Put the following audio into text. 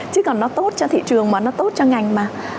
chứ còn nó tốt cho thị trường mà nó tốt cho ngành mà